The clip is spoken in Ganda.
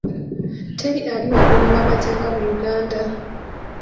Teri ali waggulu w'amateeka mu Uganda.